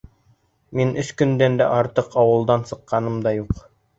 Минең өс көндән дә артыҡ ауылдан сыҡҡаным да юҡ.